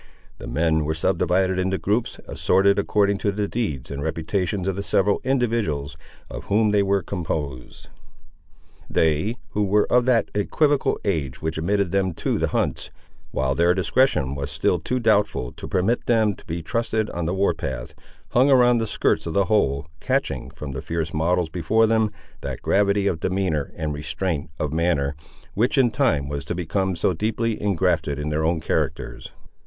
The men were subdivided into groups, assorted according to the deeds and reputations of the several individuals of whom they were composed. They, who were of that equivocal age which admitted them to the hunts, while their discretion was still too doubtful to permit them to be trusted on the war path, hung around the skirts of the whole, catching, from the fierce models before them, that gravity of demeanour and restraint of manner, which in time was to become so deeply ingrafted in their own characters.